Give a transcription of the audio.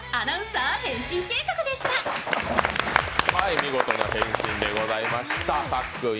見事な変身でございました。